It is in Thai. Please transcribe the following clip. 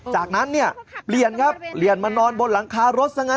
จากนั้นเปลี่ยนมานอนบนหลังคารถซะงั้น